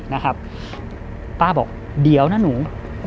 ป้าก็บอกเดี๋ยวนะหนู